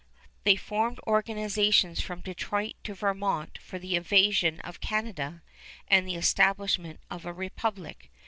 They formed organizations from Detroit to Vermont for the invasion of Canada and the establishment of a republic.